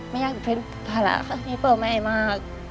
ไม่อยากจะเป็นภาระให้พ่อแม่มาก